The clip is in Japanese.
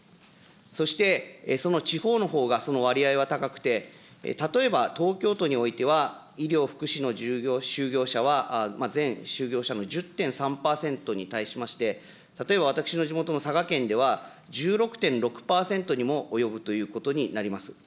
そしてその地方のほうがその割合は高くて、例えば、東京都においては、医療・福祉の就業者は全就業者の１０．３％に対しまして、例えば、私の地元の佐賀県では、１６．６％にも及ぶということになります。